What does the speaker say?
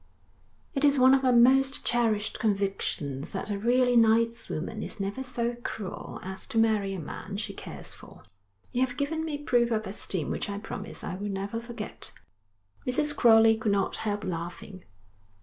'It is one of my most cherished convictions that a really nice woman is never so cruel as to marry a man she cares for. You have given me proof of esteem which I promise I will never forget.' Mrs. Crowley could not help laughing.